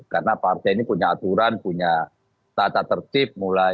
karena partai ini punya aturan punya tata tertib